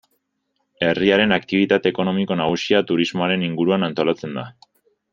Herriaren aktibitate ekonomiko nagusia turismoaren inguruan antolatzen da.